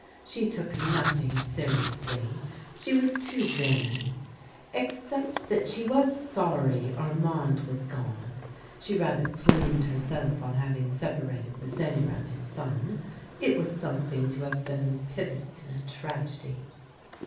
She took nothing seriously ; she was too vain. Except that she v/as sorry Armand was gone, she rather plumed herself on having separated the Seigneur and his son — it was something to have been the pivot in a tragedy.